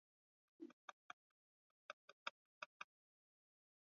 unapokuwa katika eneo hili ni vigumu kutambua kuwa unaweza kuondolewa